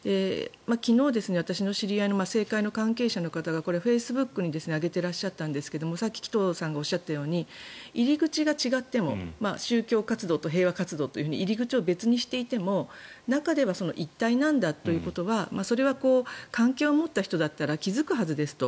昨日、私の知り合いの政界の関係者の方がこれ、フェイスブックに上げていらっしゃったんですがさっき紀藤さんがおっしゃったように入り口が違っても宗教活動と平和活動と入り口は別にしていても中では一体なんだということはそれは関係を持った人だったら気付くはずですと。